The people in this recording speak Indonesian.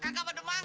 kalau grandma ada